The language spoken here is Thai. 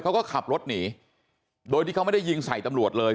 เขาก็ขับรถหนีโดยที่เขาไม่ได้ยิงใส่ตำรวจเลย